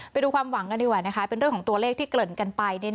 ไปดูความหวังกันดีกว่านะคะเป็นเรื่องของตัวเลขที่เกริ่นกันไป